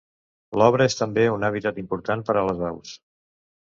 L'Obra és també un hàbitat important per a les aus.